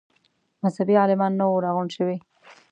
مذهبي عالمان نه وه راغونډ شوي.